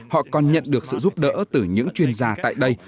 họ còn nhận được sự giúp đỡ từ những chuyên gia tại đây